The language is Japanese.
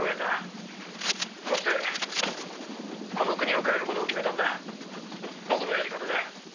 「そしてこの国を変える事を決めたんだ僕のやり方で」